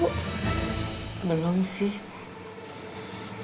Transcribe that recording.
bapak juga gak ada yang nelfon kan bu